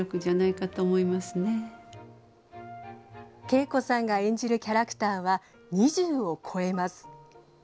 けいこさんが演じるキャラクターは２０を超えます。